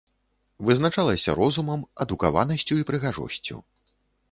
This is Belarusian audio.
Вызначалася розумам, адукаванасцю і прыгажосцю.